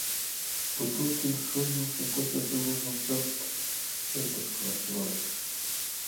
— Бутылкин шуйнылшо кочо шӱвылжым чошт ӧрдыжкыла шӱвалеш.